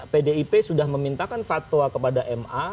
pdip sudah memintakan fatwa kepada ma